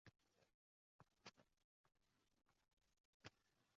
xodimlarni ishga qabul qilishda dastlabki sinov muddati belgilanishi mumkin.